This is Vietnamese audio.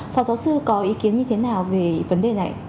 phó giáo sư có ý kiến như thế nào về vấn đề này